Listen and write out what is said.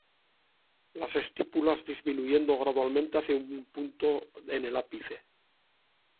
Las estípulas disminuyendo gradualmente hacia un punto en el ápice.